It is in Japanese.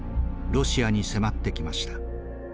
ロシアに迫ってきました。